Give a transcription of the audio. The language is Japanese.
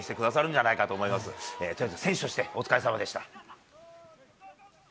とにかく選手としてお疲れさまでした。